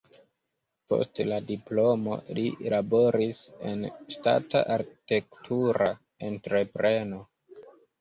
Post la diplomo li laboris en ŝtata arkitektura entrepreno.